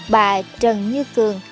bà trần như cường